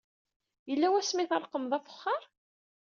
Yella wasmi ay treqmeḍ afexxar?